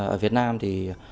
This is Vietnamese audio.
ở việt nam thì